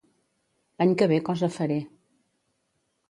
L'any que ve cosa faré.